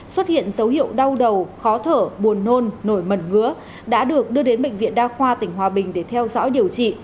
xuất hiện dấu hiệu đau đầu khó thở buồn nôn nổi mẩn ngứa đã được đưa đến bệnh viện đa khoa tỉnh hòa bình để theo dõi điều trị